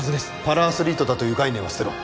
パラアスリートだという概念は捨てろ